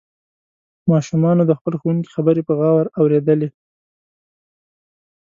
ماشومانو د خپل ښوونکي خبرې په غور اوریدلې.